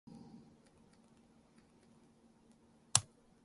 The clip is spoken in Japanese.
故にそこに我々が実践によって実在を映すとか、物が物自身を証明するとかいうこともできる。